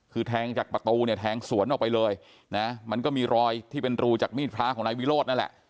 คือแทงจากประตูเนี่ยแทงสวนออกไปเลยนะมันก็มีรอยที่เป็นรูจากมีดพระของนายวิโรธนั่นแหละ